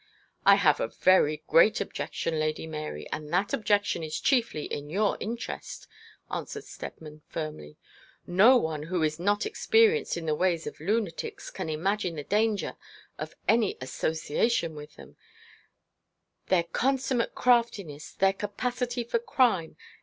'I have a very great objection, Lady Mary, and that objection is chiefly in your interest,' answered Steadman, firmly. 'No one who is not experienced in the ways of lunatics can imagine the danger of any association with them their consummate craftiness, their capacity for crime.